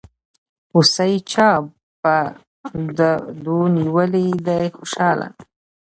هوسۍ چا په دو نيولې دي خوشحاله